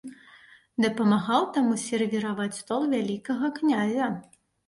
Дапамагаў таму сервіраваць стол вялікага князя.